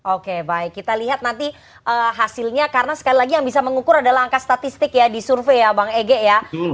oke baik kita lihat nanti hasilnya karena sekali lagi yang bisa mengukur adalah angka statistik ya di survei ya bang ege ya